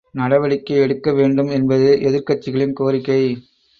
நடவடிக்கை எடுக்க வேண்டும் என்பது எதிர்க்கட்சிகளின் கோரிக்கை!